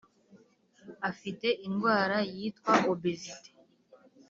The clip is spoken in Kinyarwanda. Afite indwara yitwa obesite